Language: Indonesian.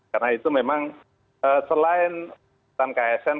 karena itu memang selain tanpa ksn